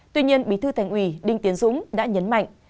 tuy nhiên bí thư thành ủy đinh tiến dũng đã nhấn mạnh